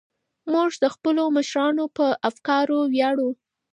موږ د خپلو مشرانو په افکارو ویاړو.